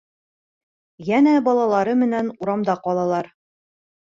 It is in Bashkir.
Йәнә балалары менән урамда ҡалалар.